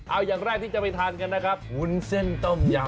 เอาอย่างแรกที่จะไปทานกันนะครับวุ้นเส้นต้มยำ